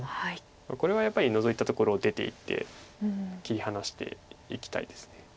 これはやっぱりノゾいたところを出ていって切り離していきたいです。